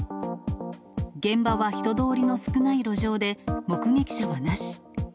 現場は人通りの少ない路上で、目撃者はなし。